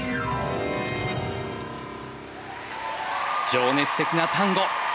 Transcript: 情熱的なタンゴ。